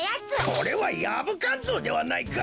これはヤブカンゾウではないか！